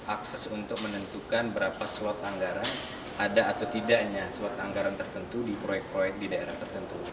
akses untuk menentukan berapa slot anggaran ada atau tidaknya slot anggaran tertentu di proyek proyek di daerah tertentu